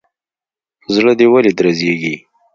زړه دي ولي درزيږي.